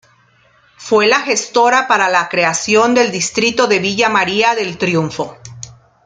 Fue la gestora para la creación del distrito de Villa María del Triunfo.